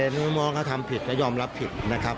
โอเคไม่มองเขาทำผิดก็ยอมรับผิดนะครับ